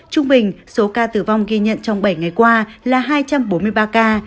trung bình số ca tử vong ghi nhận trong bảy ngày qua là hai trăm bốn mươi ba ca